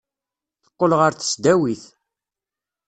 Teqqel ɣer tesdawit.